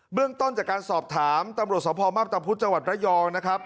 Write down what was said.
เรื่องต้นจากการสอบถามตำรวจสภมาพตะพุธจังหวัดระยองนะครับ